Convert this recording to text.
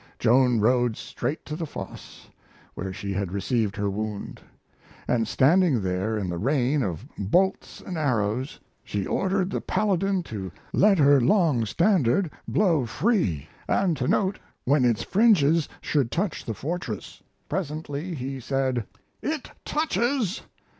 Joan rode straight to the foss where she had received her wound, and, standing there in the rain of bolts and arrows, she ordered the paladin to let her long standard blow free, and to note when its fringes should touch the fortress. Presently he said: "It touches."